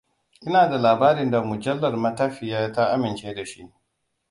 Ina da labarin da mujallar matafiya ta amince da shi.